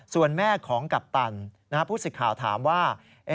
ส่วนแม่ของกัปตันผู้สิทธิ์ข่าวถามว่า